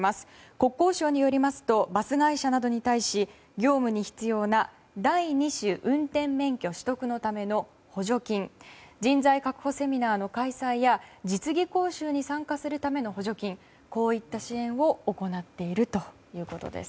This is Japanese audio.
国交省によりますとバス会社などに対し業務に必要な第二種運転免許取得のための補助金人材確保セミナーの開催や実技講習に参加するための補助金、こういった支援を行っているということです。